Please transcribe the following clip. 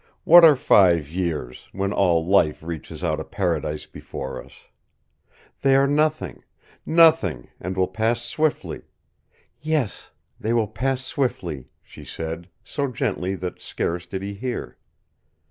What are five years, when all life reaches out a paradise before us? They are nothing nothing and will pass swiftly " "Yes, they will pass swiftly," she said, so gently that scarce did he hear.